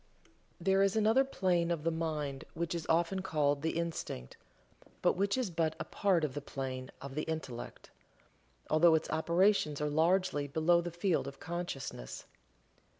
There is another plane of the mind which is often called the "Instinct," but which is but a part of the plane of the Intellect, although its operations are largely below the field of consciousness.